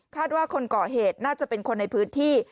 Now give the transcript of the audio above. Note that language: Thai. ว่าคนก่อเหตุน่าจะเป็นคนในพื้นที่